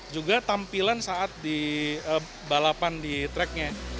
juga tampilan saat di balapan di tracknya